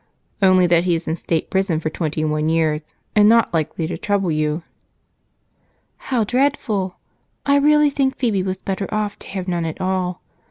"Only that he is in State Prison for twenty one years, and not likely to trouble you." "How dreadful! I really think Phebe was better off to have none at all.